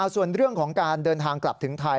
ส่วนเรื่องของการเดินทางกลับถึงไทย